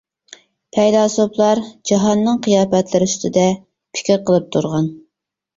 پەيلاسوپلار جاھاننىڭ قىياپەتلىرى ئۈستىدە پىكىر قىلىپ تۇرغان.